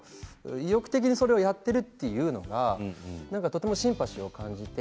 意欲的にそれをやっているというのがとてもシンパシーを感じて。